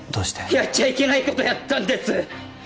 やっちゃいけないことやったんです！